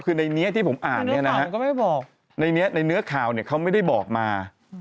คือในนี้ที่ผมอ่านเนี่ยนะฮะในเนื้อข่าวเนี่ยเขาไม่ได้บอกมา